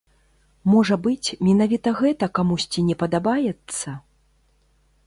Можа быць, менавіта гэта камусьці не падабаецца?